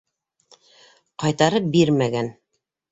Ҡайтарып бирмәгән.